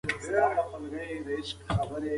تاسې باید د تحلیلي او ارزونې پروسه پرمخ وړئ.